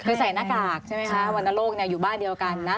คือใส่หน้ากากใช่ไหมคะวรรณโรคอยู่บ้านเดียวกันนะ